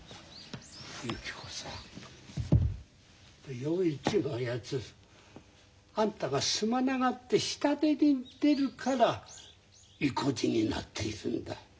ゆき子さん洋一のやつあんたがすまながって下手に出るからいこじになっているんだ。